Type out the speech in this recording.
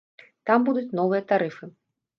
Там будуць новыя тарыфы.